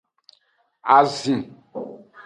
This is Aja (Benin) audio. Azin.